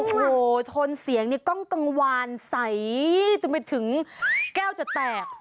โธนเสียงนี่ต้องกางวานใสจะไปถึงแก้วจะแตก